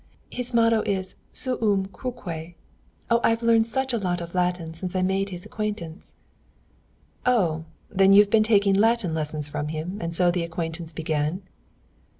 His motto is 'suum cuique.' Oh, I've learnt such a lot of Latin since I made his acquaintance?" "Oh, then you have been taking Latin lessons from him, and so the acquaintance began?"